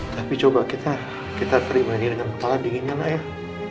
tapi coba kita terima ini dengan kepala dingin ya ayah